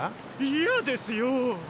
嫌ですよ！